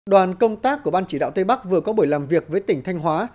đoàn công tác của ban chỉ đạo tây bắc vừa có buổi làm việc với tỉnh thanh hóa